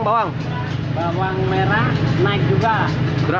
bawang merah naik juga